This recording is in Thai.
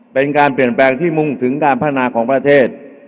เป็นการเปลี่ยนแปลงที่มุ่งถึงการพัฒนาของประเทศ